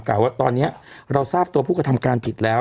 ว่าตอนนี้เราทราบตัวผู้กระทำการผิดแล้ว